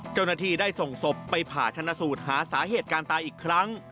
เจ้าหน้าที่ได้ส่งศพไปผ่าชนะสูตรหาสาเหตุการตายอีกครั้ง